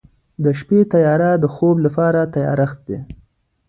د شپې تیاره د خوب لپاره تیارښت دی.